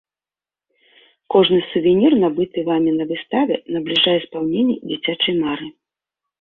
Кожны сувенір, набыты вамі на выставе, набліжае спаўненне дзіцячай мары!